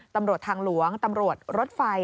ตำรวจทางหลวงตำรวจรถไฟ